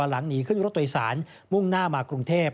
หลังหนีขึ้นรถโดยสารมุ่งหน้ามากรุงเทพ